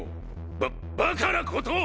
バッバカなことを！！